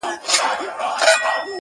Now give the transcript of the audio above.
په کټ کټ به یې په داسي زور خندله؛